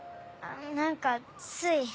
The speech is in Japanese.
何かつい。